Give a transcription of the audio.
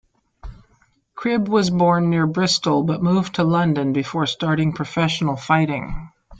Cribb was born near Bristol but moved to London before starting professional fighting.